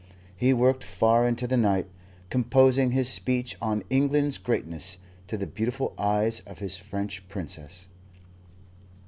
He worked far into the night, composing his speech on England's greatness to the beautiful eyes of his French Princess.